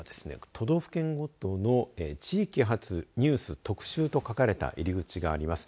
都道府県ごとの地域発ニュース特集と書かれた入り口があります。